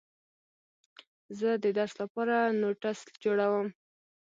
زه د درس لپاره نوټس جوړوم.